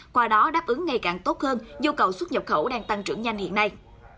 qua đó đáp ứng ngay càng tốt hơn dù cầu xuất nhập khẩu đang tăng trưởng nhanh hiện nay